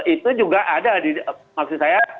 itu juga ada di maksud saya